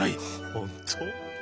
本当？